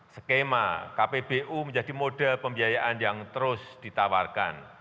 skema kpbu menjadi mode pembiayaan yang terus ditawarkan